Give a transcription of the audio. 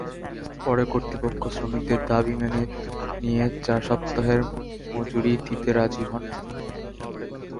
পরে কর্তৃপক্ষ শ্রমিকদের দাবি মেনে নিয়ে চার সপ্তাহের মজুরি দিতে রাজি হন।